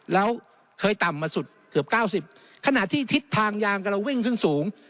แล้วเคยต่ำมาสุดเกือบเก้าสิบขณะที่ทิศทางยางกำลังวิ่งขึ้นสูง